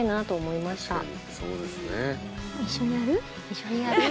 一緒にやる？